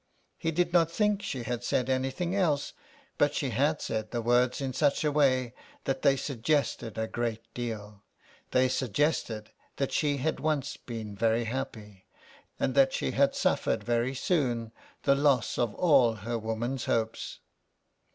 He did not think she had said anything else, but she had said the words in such a way that they suggested a great deal — they suggested that she had once been very happy, and that she had suffered very soon the loss of all her woman's hopes.